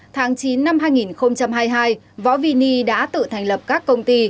tháng chín năm hai nghìn hai mươi hai võ vini đã tự thành lập các công ty